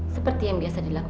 seperti yang biasa dilakukan